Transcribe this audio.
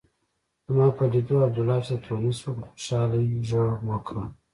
زما په لیدو عبدالله چې د تونس و په خوشالۍ غږ وکړ.